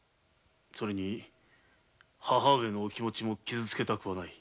それに母上のお気持も傷つけたくはない。